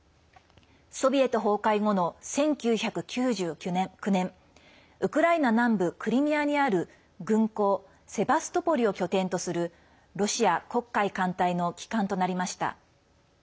ソビエト崩壊後の１９９９年ウクライナ南部クリミアにある軍港セバストポリを拠点とするロシア黒海艦隊の旗艦となりました。